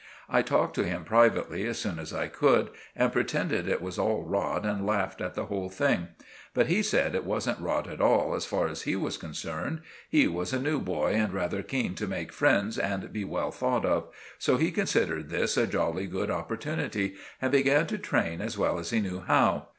I talked to him privately as soon as I could, and pretended it was all rot and laughed at the whole thing. But he said it wasn't rot at all as far as he was concerned. He was a new boy and rather keen to make friends and be well thought of; so he considered this a jolly good opportunity and began to train as well as he knew how.